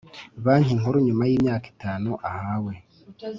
Banki Nkuru nyuma y imyaka itanu ahawe